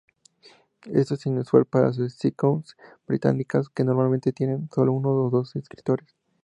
Esto es inusual para sitcoms británicas, que normalmente tienen sólo uno o dos escritores.